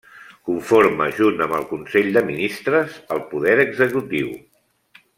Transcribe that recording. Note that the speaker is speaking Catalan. Conforma junt amb el Consell de Ministres, el Poder Executiu.